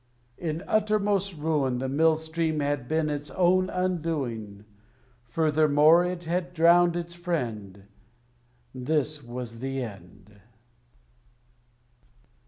In uttermost ruin The Mill Stream had been its own undoing. Furthermore it had drowned its friend: This was the end.